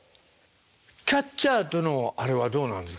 キャッチャーとのあれはどうなんですか？